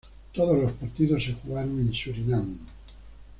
Todos los partidos se jugaron en Surinam.